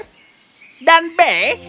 a griffin tidak bertelur